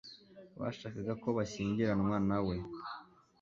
bashakaga ko bashyingiranywa nawe